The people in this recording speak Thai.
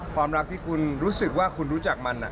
ความรักที่คุณรู้สึกว่าคุณรู้จักมัน